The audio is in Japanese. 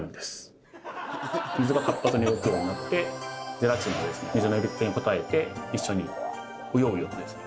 水が活発に動くようになってゼラチンも水の呼びかけに応えて一緒にうようよとですね